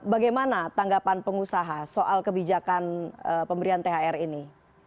bagaimana tanggapan pengusaha soal kebijakan pemberian thr ini